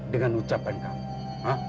dengan ucapan kamu